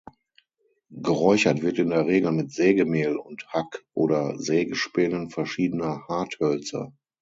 Geräuchert wird in der Regel mit Sägemehl und Hack- oder Sägespänen verschiedener Harthölzer.